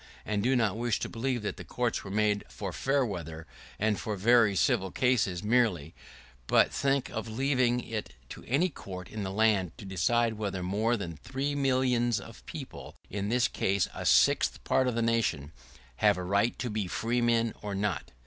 I do not wish to believe that the courts were made for fair weather, and for very civil cases merely; but think of leaving it to any court in the land to decide whether more than three millions of people, in this case a sixth part of a nation, have a right to be freemen or not!